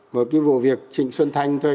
một cái vụ việc trịnh xuân thanh thôi